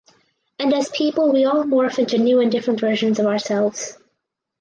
And as people we all morph into new and different versions of ourselves.